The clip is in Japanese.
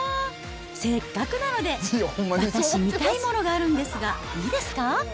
せっかくなので、私、見たいものがあるんですがいいですか？